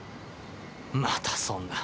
またそんな。